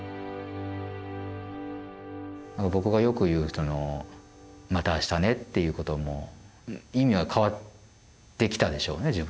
僕がよく言う「また明日ね」っていうことも意味は変わってきたでしょうね